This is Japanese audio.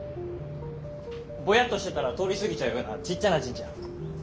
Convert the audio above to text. ぼやっとしてたら通り過ぎちゃうようなちっちゃな神社。